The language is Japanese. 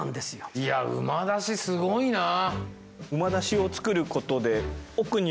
いや馬出しすごいなぁ。